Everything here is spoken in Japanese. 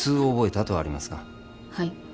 はい。